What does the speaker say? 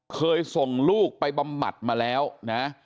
เคยส่งลูกไปบำบัดมาแล้วนะ